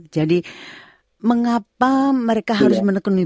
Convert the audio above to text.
jadi mengapa mereka harus menekuni